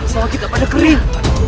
salah kita pada kering